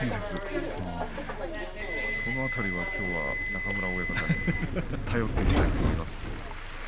その辺りは中村親方に頼っていきたいと思います。